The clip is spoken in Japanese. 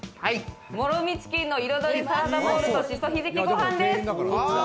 もろみチキンの彩りサラダボウルとしそひじきご飯です。